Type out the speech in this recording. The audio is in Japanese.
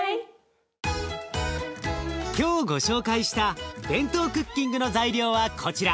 今日ご紹介したＢＥＮＴＯクッキングの材料はこちら。